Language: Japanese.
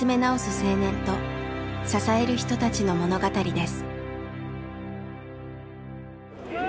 青年と支える人たちの物語です。